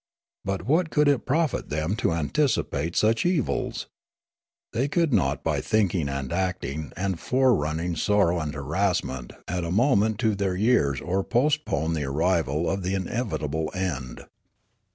But what could it profit them to anticipate such evils ? They could not by thinking and acting and forerunning Sneekape 173 sorrow and harassment add a moment to their 3'ears or postpone the arrival of the inevitable end.